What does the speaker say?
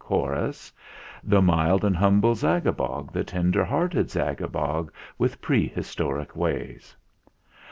Chorus, The mild and humble Zagabog, The tender hearted Zagabog With prehistoric ways.